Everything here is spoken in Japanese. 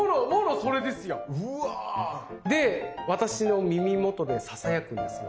で私の耳元でささやくんですよ。